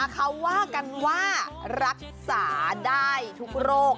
เขาว่ากันว่ารักษาได้ทุกโรค